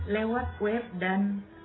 lewat web dan medsos taman mini indonesia indah